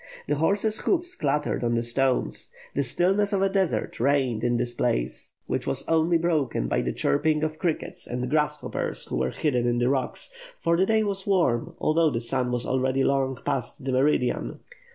The horses' hoofs clattered on the stones; the stillness of a desert reigned in this place, which was only broken by the chirping of crickets and grasshoppers who were hidden in the rocks, for the day was warm although the sun was already long past the meridian.